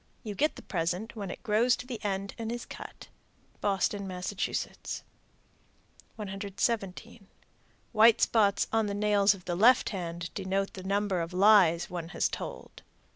You get the present when it grows to the end and is cut. Boston, Mass. 117. White spots on the nails of the left hand denote the number of lies one has told.